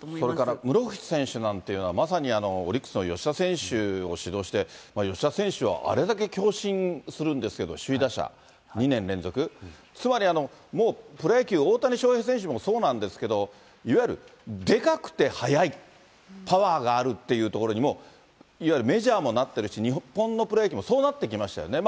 それから室伏選手なんていうのは、まさにオリックスの吉田選手を指導して、吉田選手をあれだけ、首位打者、２年連続、つまりもうプロ野球、大谷翔平選手もそうなんですけど、いわゆるでかくて速い、パワーがあるっていうところにもう、いわゆるメジャーもなってるし、日本のプロ野球もそうなってきましたよね。